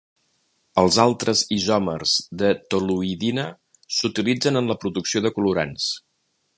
Els altres isòmers de toluïdina s'utilitzen en la producció de colorants.